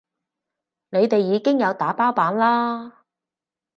你哋已經有打包版啦